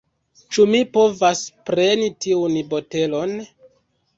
Ĉu mi povas preni tiun botelon?